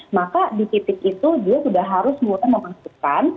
maka di titik itu dia sudah harus mudah memasukkan